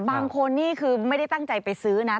บางคนนี่คือไม่ได้ตั้งใจไปซื้อนะ